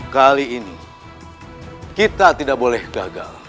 kali ini kita tidak boleh gagal